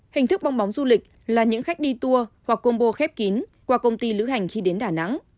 hình thức bong bóng du lịch là những khách đi tour hoặc combo khép kín qua công ty lữ hành khi đến đà nẵng